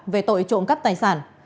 về tội trộm cắp tài sản